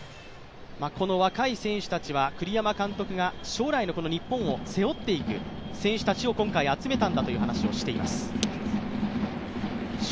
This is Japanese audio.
この若い選手たちは栗山監督が将来の日本を背負っていく選手たちを今回集めたんだという話をしています。